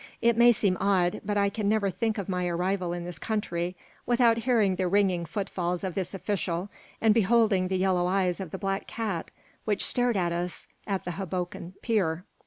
It may seem odd, but I can never think of my arrival in this country without hearing the ringing footfalls of this official and beholding the yellow eyes of the black cat which stared at us at the Hoboken pier.